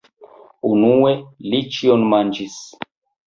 Unue, li ĉion manĝis.